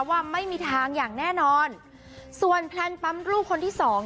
ว่าไม่มีทางอย่างแน่นอนส่วนแพลนปั๊มลูกคนที่สอง